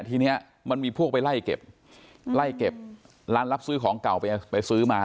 ทีนี้มันมีพวกไปไล่เก็บไล่เก็บร้านรับซื้อของเก่าไปซื้อมา